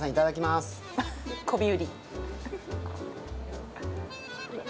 こび売り。